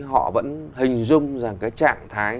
họ vẫn hình dung rằng cái trạng thái